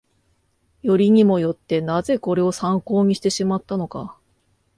よりにもよって、なぜこれを参考にしてしまったのか